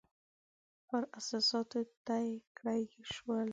پر احساساتو طی کړای شول.